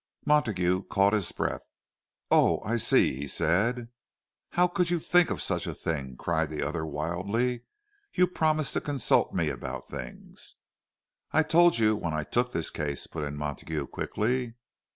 Montague caught his breath. "Oh, I see!" he said. "How could you think of such a thing?" cried the other, wildly. "You promised to consult me about things—" "I told you when I took this case," put in Montague, quickly.